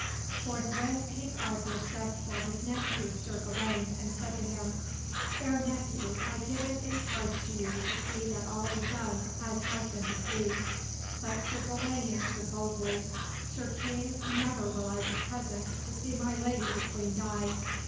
Forthwith, King Arthur sent for his nephew, Sir Gawain, and said to him: "Fair nephew, I give it in charge to you to see that all is done as has been decreed." But Sir Gawain answered boldly: "Sir King, never will I be present to see my lady the Queen die.